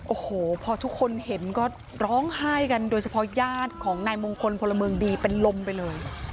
โอ้โหพอทุกคนเห็นก็ร้องไห้กันโดยเฉพาะญาติของนายมงคลพลเมืองดีเป็นลมไปเลย